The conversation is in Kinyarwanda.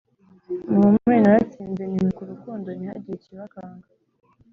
Muhumure naratsinze nimika urukundo ntihagire ikibakanga